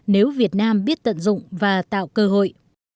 nếu việt nam biết tận dụng và tạo cơ hội